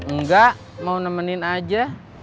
enggak mau nemenin aja